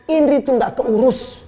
indri tuh gak keurus